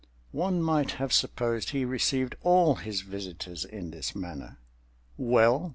One might have supposed he received all his visitors in this manner. "Well?"